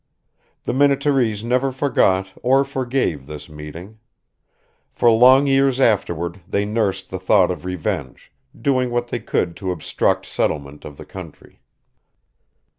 The Minnetarees never forgot or forgave this meeting. For long years afterward they nursed the thought of revenge, doing what they could to obstruct settlement of the country.